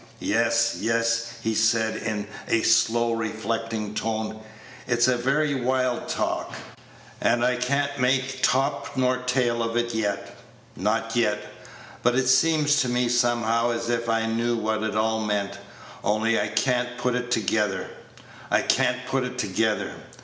Yes, yes," he said, in a slow, reflecting tone, "it's very wild talk, and I can't make top nor tail of it yet not yet; but it seems to me somehow as if I knew what it all meant, only I can't put it together I can't put it together.